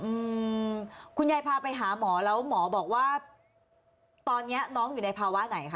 อืมคุณยายพาไปหาหมอแล้วหมอบอกว่าตอนเนี้ยน้องอยู่ในภาวะไหนคะ